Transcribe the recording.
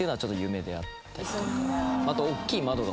あと。